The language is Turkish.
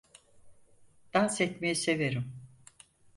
Dans etmeyi severim.